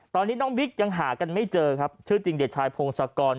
ตอนนี้น้องบิ๊กยังหากันไม่เจอครับชื่อจริงเด็กชายพงศกร